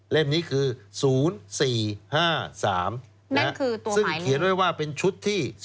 นี้คือ๐๔๕๓ซึ่งเขียนไว้ว่าเป็นชุดที่